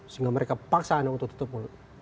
sehingga mereka paksa anak untuk tutup mulut